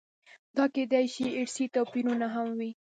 دا کېدای شي ارثي توپیرونه هم وي.